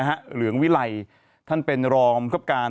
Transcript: เหลืองวิไลท่านเป็นรองบังคับการ